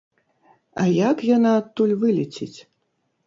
А як яна адтуль вылеціць?